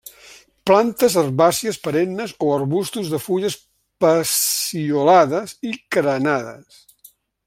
Plantes herbàcies perennes o arbustos de fulles peciolades i crenades.